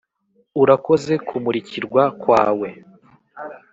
urakoze kumurikirwa kwawe